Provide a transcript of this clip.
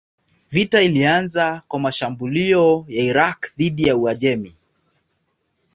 Vita ilianza kwa mashambulio ya Irak dhidi ya Uajemi.